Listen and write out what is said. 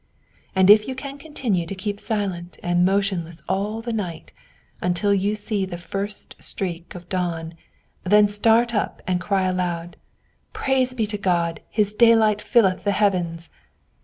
And if you can continue to keep silent and motionless all the night, until you see the first streak of dawn, then start up and cry aloud, "Praise be to God! His daylight filleth the heavens!"